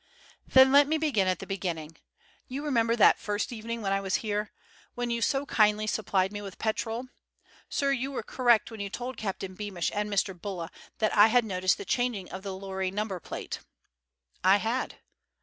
"Then let me begin at the beginning. You remember that first evening I was here, when you so kindly supplied me with petrol? Sir, you were correct when you told Captain Beamish and Mr. Bulla that I had noticed the changing of the lorry number plate. I had."